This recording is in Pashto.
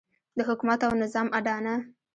د حکومت او نظام اډانه.